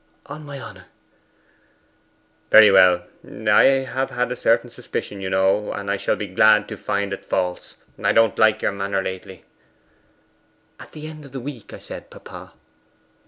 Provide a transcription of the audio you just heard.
'On my honour.' 'Very well. I have had a certain suspicion, you know; and I shall be glad to find it false. I don't like your manner lately.' 'At the end of the week, I said, papa.